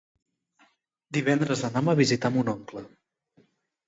Divendres anam a visitar mon oncle.